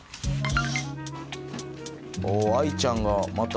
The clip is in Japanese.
愛ちゃんがまた。